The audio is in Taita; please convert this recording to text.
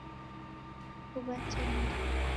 Kuwa tindi